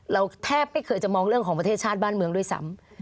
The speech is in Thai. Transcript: แทบไม่เคยจะมองเรื่องของประเทศชาติบ้านเมืองด้วยซ้ำ